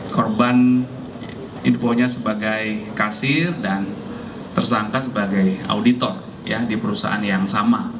korban infonya sebagai kasir dan tersangka sebagai auditor di perusahaan yang sama